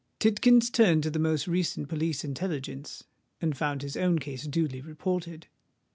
Tidkins turned to the most recent Police Intelligence, and found his own case duly reported.